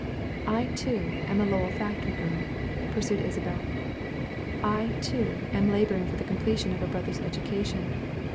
"I, too, am a Lowell factory girl," pursued Isabel. "I, too, am laboring for the completion of a brother's education.